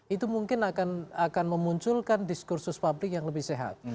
itu mungkin akan memunculkan diskursus publik yang lebih sehat